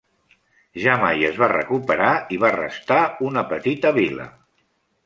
Ja mai es va recuperar i va restar una petita vila.